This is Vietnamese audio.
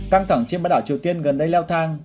căng thẳng trên bãi đảo triều tiên gần đây leo thang